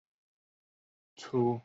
出身于大阪府大阪市。